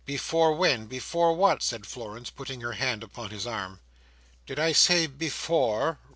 "Before when? Before what?" said Florence, putting her hand upon his arm. "Did I say 'before?